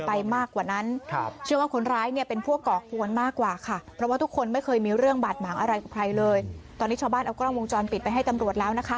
เพราะว่าทุกคนไม่เคยมีเรื่องบัดหมางอะไรกับใครเลยตอนนี้ชาวบ้านเอากล้องวงจรปิดไปให้ตำรวจแล้วนะคะ